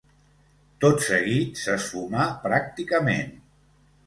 Tot seguit s'esfumà pràcticament.